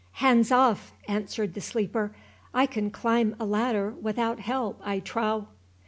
"Hands off!" answered the sleeper.—"I can climb a ladder without help, I trow."